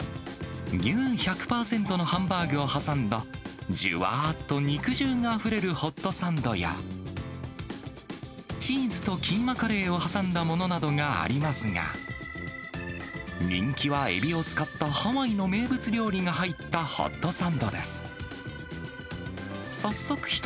牛１００％のハンバーグを挟んだ、じゅわーっと肉汁があふれるホットサンドや、チーズとキーマカレーを挟んだものなどがありますが、人気は、エビを使ったハワイの名物料理が入ったホットサンドです。